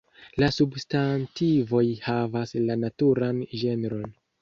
La substantivoj havas la naturan ĝenron.